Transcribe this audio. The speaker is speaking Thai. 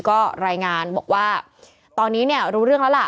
ก็รายงานบอกว่าตอนนี้เนี่ยรู้เรื่องแล้วล่ะ